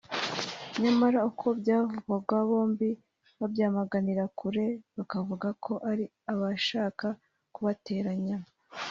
nyamara uko byavugwaga bombi babyamaganiraga kure bakavuga ko ari abashaka kubateranya